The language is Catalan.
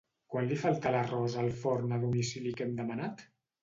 Quant li falta a l'arròs al forn a domicili que hem demanat?